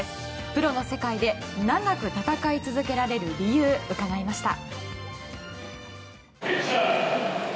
プロの世界で長く戦い続けられる理由を伺いました。